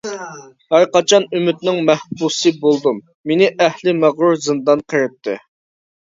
ھەرقاچان ئۈمىدنىڭ مەھبۇسى بولدۇم، مېنى ئەھلى مەغرۇر زىندان قېرىتتى.